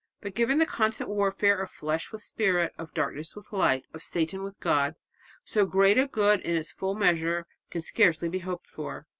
But given the constant warfare of flesh with spirit, of darkness with light, of Satan with God, so great a good in its full measure can scarcely be hoped for.